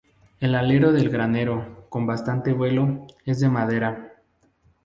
El alero del granero, con bastante vuelo, es de madera.